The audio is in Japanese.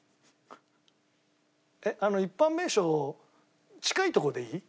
一般名称近いとこでいい？